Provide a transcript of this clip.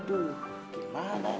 kamu tetap biasa kamu tetap